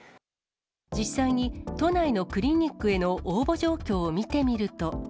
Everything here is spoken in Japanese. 実際に都内のクリニックへの応募状況を見てみると。